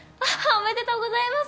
おめでとうございます。